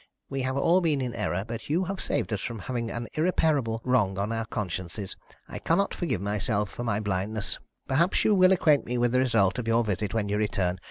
"We have all been in error, but you have saved us from having an irreparable wrong on our consciences. I cannot forgive myself for my blindness. Perhaps you will acquaint me with the result of your visit when you return.